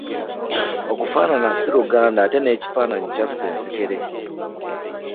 Okufaanana si luganda ate n'ekifaananyi kyassa ensekere.